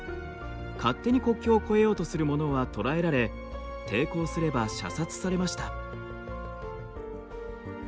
勝手に国境を越えようとする者は捕らえられ抵抗すれば射殺されました。